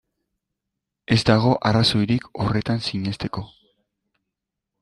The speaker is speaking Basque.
Ez dago arrazoirik horretan sinesteko.